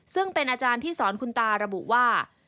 ซึ่งเป็นอาจารย์ที่สอนคุณตาระบุว่า